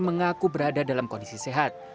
mengaku berada dalam kondisi sehat